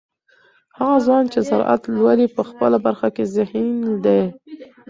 هغه ځوان چې زراعت لولي په خپله برخه کې ذهین دی.